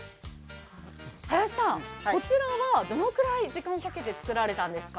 こちらはどのくらい時間をかけて作られたんですか？